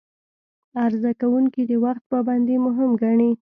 عرضه کوونکي د وخت پابندي مهم ګڼي.